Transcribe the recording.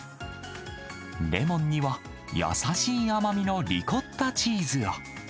レモンには、優しい甘みのリコッタチーズを。